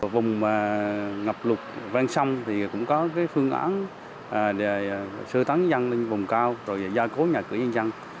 vùng ngập lục vang xăm thì cũng có phương án sơ tán dân lên vùng cao rồi gia cố nhà cửa nhân dân